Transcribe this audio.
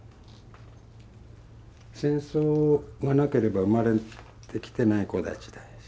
戦争がなければ生まれてきてない子たちだし。